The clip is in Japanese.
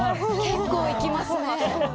結構いきますね！